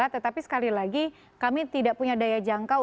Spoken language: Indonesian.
tetapi sekali lagi kami tidak punya daya jangkau